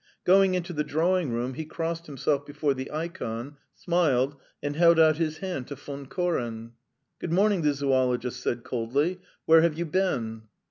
Going into the drawing room, he crossed himself before the ikon, smiled, and held out his hand to Von Koren. "Good morning," the zoologist said coldly. "Where have you been?"